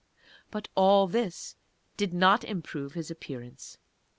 But all this did not improve his appearance.